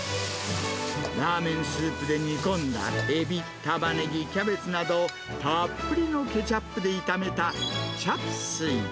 ラーメンスープで煮込んだエビ、タマネギ、キャベツなどを、たっぷりのケチャップで炒めた、チャプスイ。